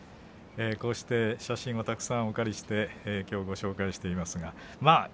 写真もたくさんお借りしてきょうご紹介しています。